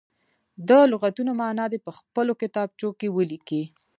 د لغتونو معنا دې په خپلو کتابچو کې ولیکي.